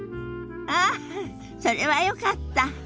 ああそれはよかった。